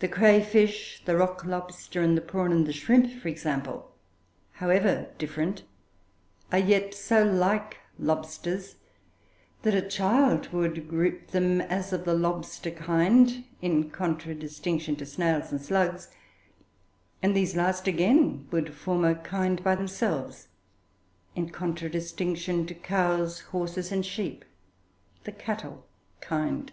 The cray fish, the rock lobster, and the prawn, and the shrimp, for example, however different, are yet so like lobsters, that a child would group them as of the lobster kind, in contradistinction to snails and slugs; and these last again would form a kind by themselves, in contradistinction to cows, horses, and sheep, the cattle kind.